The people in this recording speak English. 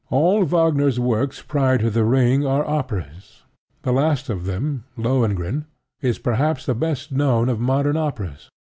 All Wagner's works prior to The Ring are operas. The last of them, Lohengrin, is perhaps the best known of modern operas.